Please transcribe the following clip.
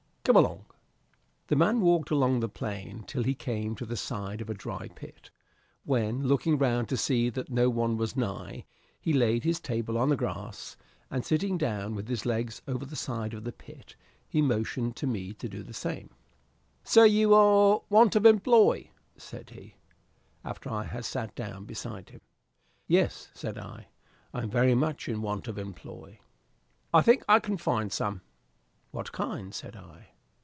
Come along." The man walked along the plain till he came to the side of a dry pit, when, looking round to see that no one was nigh, he laid his table on the grass, and, sitting down with his legs over the side of the pit, he motioned me to do the same. "So you are in want of employ?" said he, after I had sat down beside him. "Yes," said I, "I am very much in want of employ." "I think I can find you some." "What kind?" said I.